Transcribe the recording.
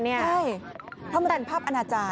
ใช่เพราะมันเป็นภาพอาณาจารย